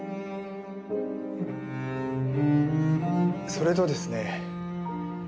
それとですね。